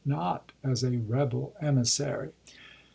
not as a rebel emissary.